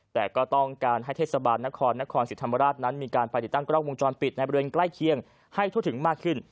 แต่ก็ต้องการให้เทศบาลนครนครศรีธรรมราชนั้นมีการไปติดตั้งกล้องวงจรปิดในบริเวณใกล้เคียงให้ทั่วถึงมากขึ้น